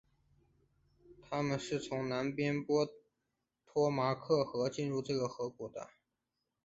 他们是从南边波托马克河进入这个河谷的。